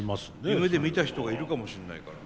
夢で見た人がいるかもしれないから。